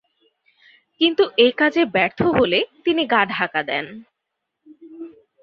কিন্তু একাজে ব্যর্থ হলে তিনি গা ঢাকা দেন।